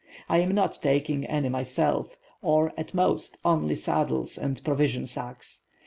I am not taking any myself, or, at most, only saddles and provision sacks.